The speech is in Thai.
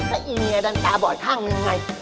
แล้วอีเมียดันตาบอดข้างมันยังไง